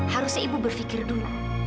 harusnya ibu berpikir dulu